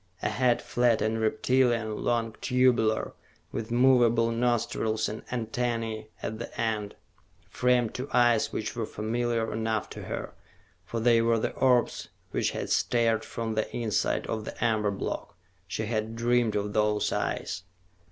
A head flat and reptilian, long, tubular, with movable nostrils and antennae at the end, framed two eyes which were familiar enough to her, for they were the orbs which had stared from the inside of the amber block. She had dreamed of those eyes.